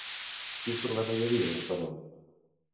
Quin problema hi havia, però?